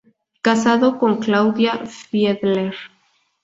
Casado con Claudia Fiedler.